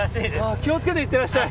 気をつけていってらっしゃい。